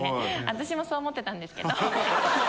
私もそう思ってたんですけど。